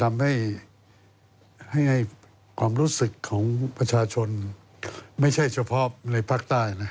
ทำให้ความรู้สึกของประชาชนไม่ใช่เฉพาะในภาคใต้นะ